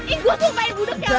ih gue sumpahin budok ya om